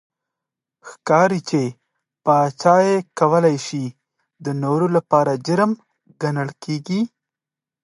ښکار چې پاچا یې کولای شي د نورو لپاره جرم ګڼل کېږي.